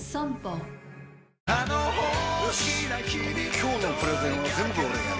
今日のプレゼンは全部俺がやる！